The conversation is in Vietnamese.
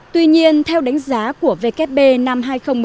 tuy nhiên theo đánh giá của vkp năm hai nghìn một mươi tám